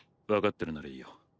分かってるならいいよ。